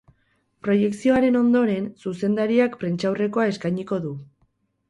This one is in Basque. Proiekzioaren ondoren, zuzendariak prentsaurrekoa eskainiko du.